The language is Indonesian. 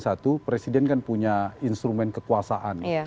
satu presiden kan punya instrumen kekuasaan